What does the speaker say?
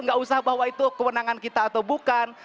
nggak usah bahwa itu kewenangan kita atau bukan